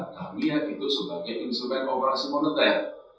kami yang itu sebagai insuransi operasi moneter